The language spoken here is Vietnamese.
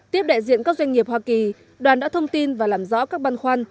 tiếp đại diện các doanh nghiệp hoa kỳ đoàn đã thông tin và làm rõ các băn khoăn